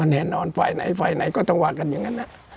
แน่นอนฝ่ายไหนฝ่ายไหนก็ต้องว่ากันอย่างนั้น